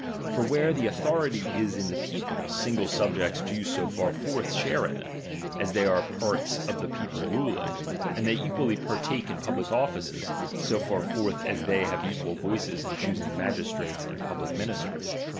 For where the authority I is in the people, single subjects do so far forth I share in it, as they are parts of the people ruling ; I and they equally partake in public offices, so far I forth as they have equal voices in choosing magis I trates and public ministers.